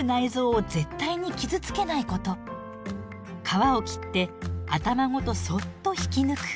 皮を切って頭ごとそっと引き抜く。